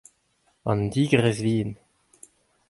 an digrez vihan.